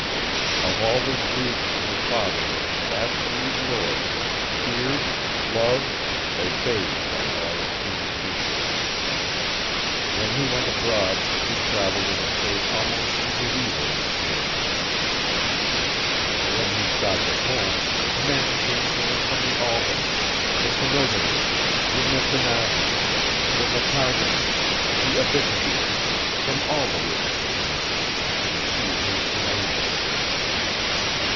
Of all this region her father was the absolute lord, feared, loved, obeyed by all its human creatures. When he went abroad, he travelled in a state almost mediæval in its magnificence; when he stopped at home, men came to him from the Albany, the Kenógami, the Missináibe, the Mattágami, the Abítibi from all the rivers of the North to receive his commands.